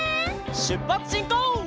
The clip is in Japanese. しゅっぱつしんこう！